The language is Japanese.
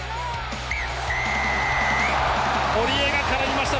堀江が絡みました。